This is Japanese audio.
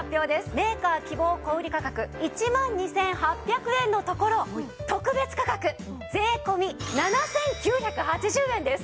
メーカー希望小売価格１万２８００円のところ特別価格税込７９８０円です！